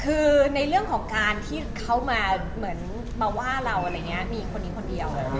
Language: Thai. คือในเรื่องของการที่เขามาเหมือนมาว่าเราอะไรอย่างนี้มีคนนี้คนเดียว